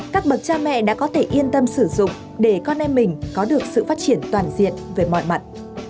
các bậc cha mẹ đã có thể yên tâm sử dụng để con em mình có được sự phát triển toàn diện về mọi mặt